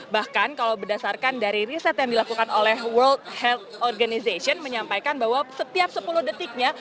bahkan kalau berdasarkan dari riset yang dilakukan oleh world health organization menyampaikan bahwa setiap sepuluh detiknya